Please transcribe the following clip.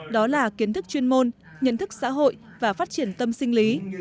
đó là kiến thức chuyên môn nhận thức xã hội và phát triển tâm sinh lý